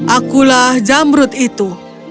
akulah zamrud itu